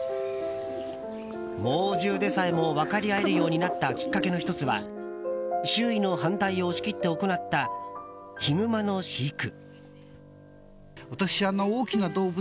猛獣でさえも分かり合えるようになったきっかけの１つは周囲の反対を押し切って行ったヒグマの飼育。